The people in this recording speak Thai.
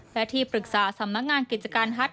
และที่ปรึกษาสำนักงานกิจการฮัต